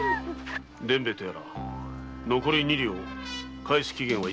伝兵衛とやら残り二両返す期限はいつだ？